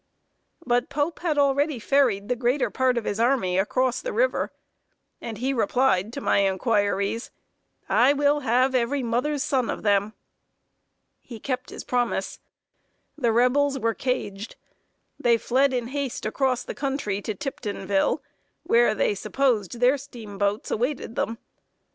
But Pope had already ferried the greater part of his army across the river, and he replied to my inquiries: "I will have every mother's son of them!" [Sidenote: THE REBELS EFFECTIVELY CAGED.] He kept his promise. The Rebels were caged. They fled in haste across the country to Tiptonville, where they supposed their steamboats awaited them.